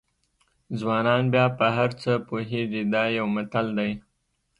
ځوانان بیا په هر څه پوهېږي دا یو متل دی.